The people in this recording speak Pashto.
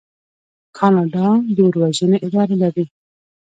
کاناډا د اور وژنې اداره لري.